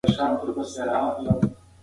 زده کوونکي د ازموینې لپاره ډېره هڅه کوي.